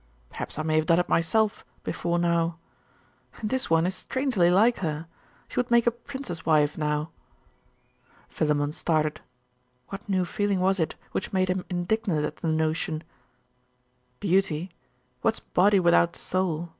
Perhaps I may have done it myself, before now .... And this one is strangely like her. She would make a prince's wife, now.' Philammon started. What new feeling was it, which made him indignant at the notion? 'Beauty? What's body without soul?